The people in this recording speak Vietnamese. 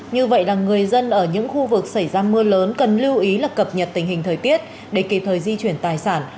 như vậy là người dân ở những khu vực xảy ra mưa lớn cần lưu ý là cập nhật tình hình thời tiết để kịp thời di chuyển tài sản